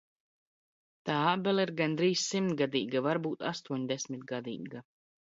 Tā ābele ir gandrīz simtgadīga, varbūt astoņdesmitgadīga.